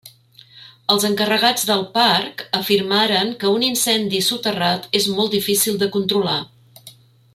Els encarregats del parc afirmaren que un incendi soterrat és molt difícil de controlar.